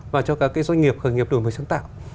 và cho các cái doanh nghiệp khởi nghiệp đổi mới sáng tạo